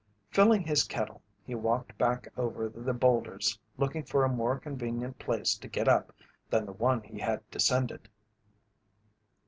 Filling his kettle he walked back over the boulders looking for a more convenient place to get up than the one he had descended.